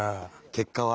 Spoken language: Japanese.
結果は。